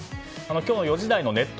今日の４時台のネット